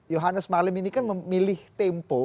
yohanes marlim ini kan memilih tempo